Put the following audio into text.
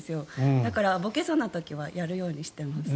だから、ぼけそうな時はやるようにしてます。